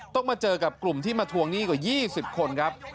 ต้องมาเจอกับกลุ่มที่มาทวงหนี้กว่า๒๐คนครับ